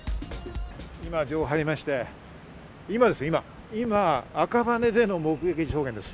今、路地を入りまして今、赤羽での目撃証言です。